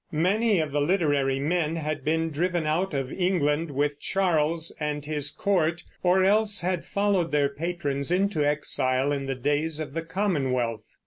Many of the literary men had been driven out of England with Charles and his court, or else had followed their patrons into exile in the days of the Commonwealth.